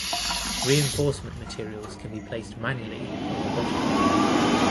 Reinforcement materials can be placed manually or robotically.